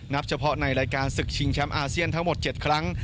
เฉพาะในรายการศึกชิงแชมป์อาเซียนทั้งหมด๗ครั้ง